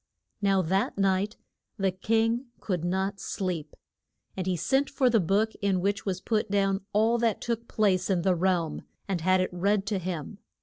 Now that night the king could not sleep. And he sent for the book in which was put down all that took place in the realm, and had it read to him.